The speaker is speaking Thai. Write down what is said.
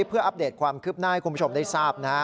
เพื่ออัปเดตความคืบหน้าให้คุณผู้ชมได้ทราบ